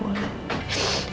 sudah mendingan sekarang ma